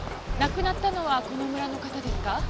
亡くなったのはこの村の方ですか？